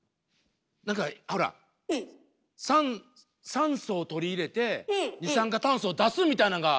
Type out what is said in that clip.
酸酸素を取り入れて二酸化炭素を出すみたいなんが。